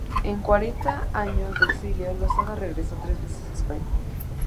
En cuarenta años de exilio, Losada regresó tres veces a España.